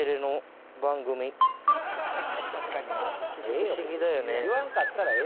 不思議だよね。